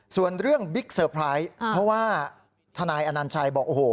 ส่วนเรื่องบิ๊กเซอร์ไพรส์เพราะว่าทนายอนัญชัยบอกโอ้โห